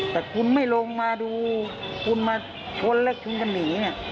แต่คุณไม่ลงมาดูคุณมาชนแล้วคุณก็หนี